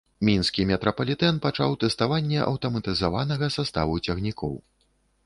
Мінскі метрапалітэн пачаў тэставанне аўтаматызаванага саставу цягнікоў.